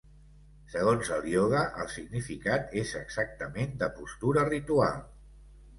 Segons el ioga, el significat és exactament de 'postura ritual'.